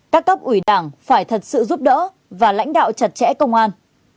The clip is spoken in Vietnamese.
các cấp ủy đảng phải thật sự giúp đỡ và lãnh đạo chặt chẽ công an